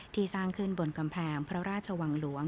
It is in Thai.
สร้างขึ้นบนกำแพงพระราชวังหลวง